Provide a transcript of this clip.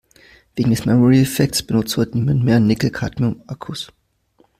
Wegen des Memory-Effekts benutzt heute niemand mehr Nickel-Cadmium-Akkus.